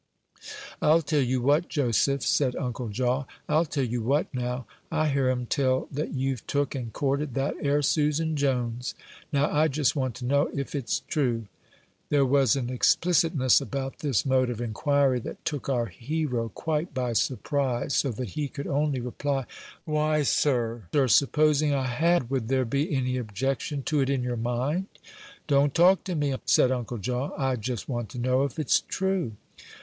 "I'll tell you what, Joseph," said Uncle Jaw, "I'll tell you what, now: I hear 'em tell that you've took and courted that 'ere Susan Jones. Now, I jest want to know if it's true." There was an explicitness about this mode of inquiry that took our hero quite by surprise, so that he could only reply, "Why, sir, supposing I had, would there be any objection to it in your mind?" "Don't talk to me," said Uncle Jaw. "I jest want to know if it's true."